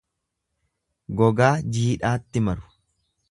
Gogaa jiidhaatti maru.